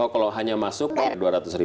oh kalau hanya masuk bayar dua ratus